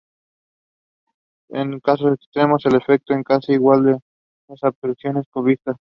En casos extremos el efecto es casi igual que el de las abstracciones cubistas.